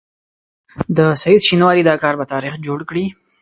د سعید شینواري دا کار به تاریخ جوړ کړي.